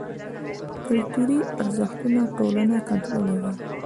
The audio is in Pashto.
کلتوري ارزښتونه ټولنه کنټرولوي.